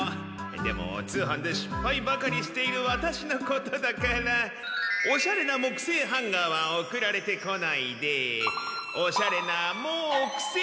でも通販でしっぱいばかりしているワタシのことだからおしゃれなもくせいハンガーは送られてこないでおしゃれなもうくせえ